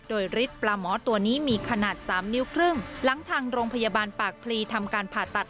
โดยฤทธิ์ปลาหมอตัวนี้มีขนาด๓นิ้วครึ่งหลังทางโรงพยาบาลปากพลีทำการผ่าตัด